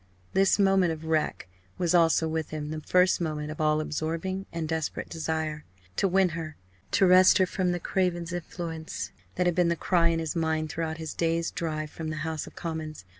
This moment of wreck was also with him the first moment of all absorbing and desperate desire. To win her to wrest her from the Cravens' influence that had been the cry in his mind throughout his dazed drive from the House of Commons.